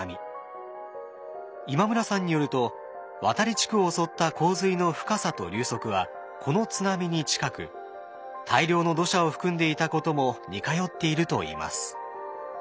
今村さんによると渡地区を襲った洪水の深さと流速はこの津波に近く大量の土砂を含んでいたことも似通っているといいます。